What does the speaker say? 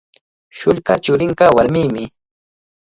Shullka churinqa warmimi.